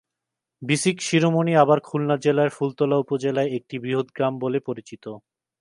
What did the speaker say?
বিসিক শিরোমণি আবার খুলনা জেলার ফুলতলা উপজেলার একটি বৃহৎ গ্রাম বলে পরিচিত।